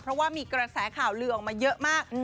เพราะว่ามีกระแสข่าวลือออกมาเยอะมาก